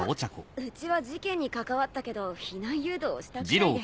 うちは事件に関わったけど避難誘導をしたくらいで。